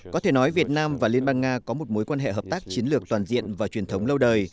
có thể nói việt nam và liên bang nga có một mối quan hệ hợp tác chiến lược toàn diện và truyền thống lâu đời